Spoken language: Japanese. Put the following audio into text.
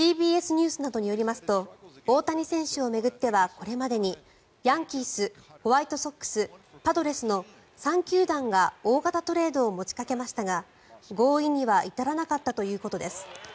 ＣＢＳニュースなどによりますと大谷選手を巡ってはこれまでにヤンキースホワイトソックス、パドレスの３球団が大型トレードを持ちかけましたが合意には至らなかったということです。